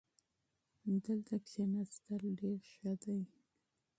دلته کښېناستل ډېر ښه دي.